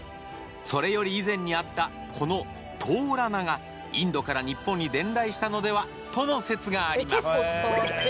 それより以前にあったこのトーラナがインドから日本に伝来したのではとの説があります。